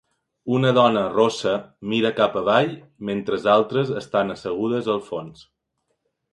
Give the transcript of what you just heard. Una dona rossa mira cap avall mentre altres estan assegudes al fons.